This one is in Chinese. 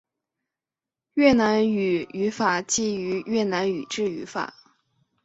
越南语语法为基于越南语之语法。